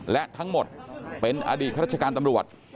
และทั้งหมดเป็นอดีตข้าราชการตำรวจ